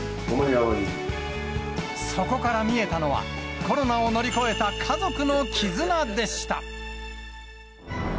そこから見えたのは、コロナを乗り越えた家族の絆でした。